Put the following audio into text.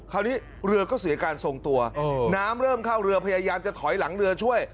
คราวนี้เรือก็เสียการทรงตัวน้ำเริ่มเข้าเรือพยายามจะถอยหลังเรือช่วย